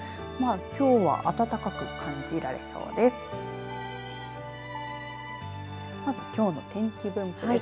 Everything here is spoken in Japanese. きょうは暖かく感じられそうです。